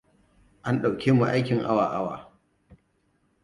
An ɗauke mu aikin awa-awa.